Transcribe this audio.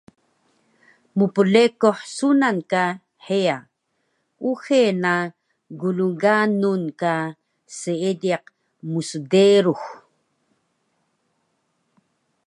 mplekuh sunan ka heya, uxe na glganun ka seediq msderux